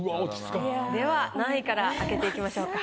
では何位から開けていきましょうか？